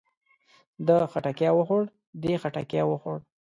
ده خټکی وخوړ. دې خټکی وخوړ.